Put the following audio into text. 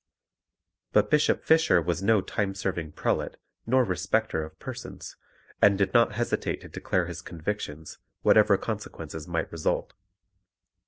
But Bishop Fisher was no time serving prelate nor respecter of persons, and did not hesitate to declare his convictions, whatever consequences might result.